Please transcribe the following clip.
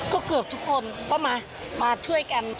ก็เกือบทุกคนก็มาช่วยกัน